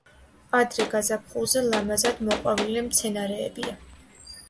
ადრე გაზაფხულზე ლამაზად მოყვავილე მცენარეებია.